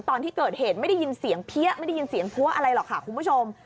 ตอนที่เกิดเหตุไม่ได้ยินเสียงเพี้ยไม่ได้ยินเสียงพัวอะไรหรอกค่ะคุณผู้ชม